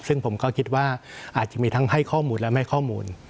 ซึ่งผมก็คิดว่าอาจจะมีทั้งให้ข้อมูลและไม่ข้อมูล